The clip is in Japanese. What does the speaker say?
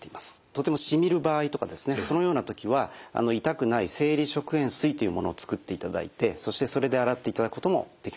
とてもしみる場合とかそのような時は痛くない生理食塩水というものを作っていただいてそしてそれで洗っていただくこともできます。